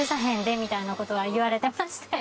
みたいな事は言われてましたよ。